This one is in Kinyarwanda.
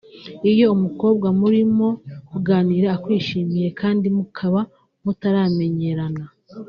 Iyo umukobwa murimo kuganira akwishimiye kandi mukaba mutaramenyerana